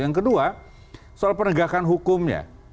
yang kedua soal penegakan hukumnya